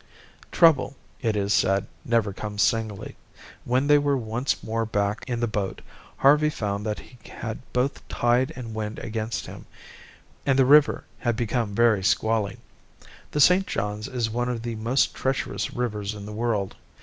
Trouble, it is said, never comes singly. When they were once more back in the boat, Harvey found that he had both tide and wind against him, and the river had become very squally. The St. Johns is one of the most treacherous rivers in the world.